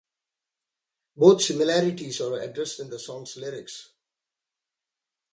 Both similarities are addressed in the song's lyrics.